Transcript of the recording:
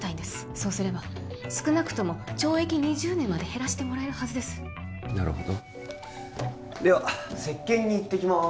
そうすれば少なくとも懲役２０年まで減らしてもらえるはずですなるほどでは接見に行ってきます